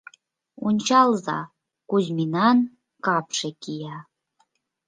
Ончалза, Кузьминан капше кия...